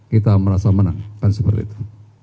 kita merasa menang kan seperti itu